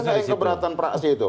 ada yang keberatan praksi itu